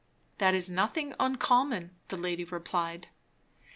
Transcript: "That is nothing uncommon," the lady replied.